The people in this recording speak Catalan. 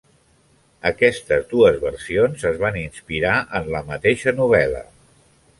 Aquestes dues versions es van inspirar en la mateixa novel·la.